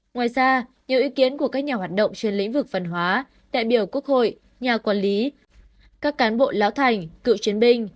ngoài ra nhiều ý kiến của các nhà hoạt động trên lĩnh vực văn hóa đại biểu quốc hội nhà quản lý các cán bộ lão thành cựu chiến binh